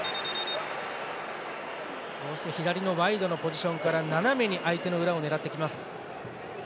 左のワイドのポジションから斜めに相手の裏を狙ってきます。